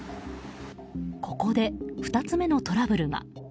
ここで２つ目のトラブルが。